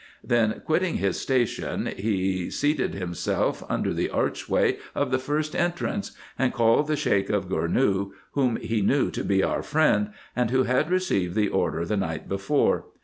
Then, quitting his station, he seated himself under the archway of the first entrance, and called the Sheik of Gournou, whom he knew to be our friend, and who had received the order the night before.